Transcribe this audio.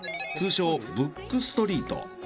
通称ブックストリート。